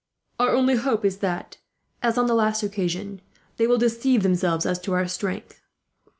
Our only hope is that, as on the last occasion, they will deceive themselves as to our strength.